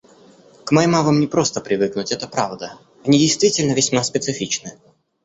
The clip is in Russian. К моим авам не просто привыкнуть, это правда. Они действительно весьма специфичны.